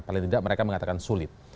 paling tidak mereka mengatakan sulit